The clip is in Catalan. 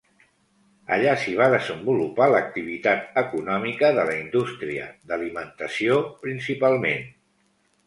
Allà s'hi va desenvolupar l’activitat econòmica de la indústria d’alimentació principalment.